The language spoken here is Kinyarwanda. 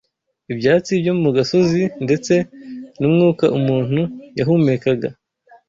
ibyatsi byo mu gasozi ndetse n’umwuka umuntu yahumekaga.